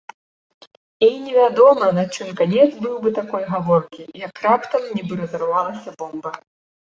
І невядома, на чым канец быў бы такой гаворкі, як раптам нібы разарвалася бомба.